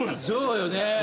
そうよね。